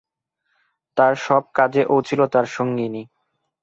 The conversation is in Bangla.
তাঁর সব কাজে ও ছিল তাঁর সঙ্গিনী।